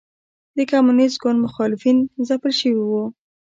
د کمونېست ګوند مخالفین ځپل شوي وو.